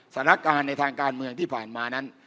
สถานการณ์ในทางการเมืองที่ผ่านมานั้น